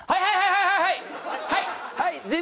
はい。